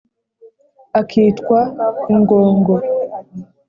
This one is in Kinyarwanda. Akitwa ingongo